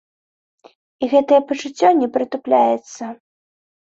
І гэтае пачуццё не прытупляецца.